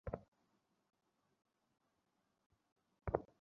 চট্টগ্রামের একাধিক কেন্দ্রে ভোট গ্রহণ সাময়িক স্থগিত রেখে পরে চালু করা হয়।